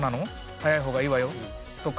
早い方がいいわよ」とか。